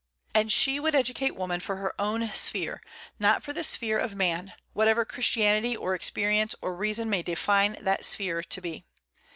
And she would educate woman for her own sphere, not for the sphere of man, whatever Christianity, or experience, or reason may define that sphere to be.